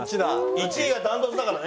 １位が断トツだからね。